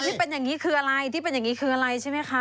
ที่เป็นอย่างนี้คืออะไรที่เป็นอย่างนี้คืออะไรใช่ไหมคะ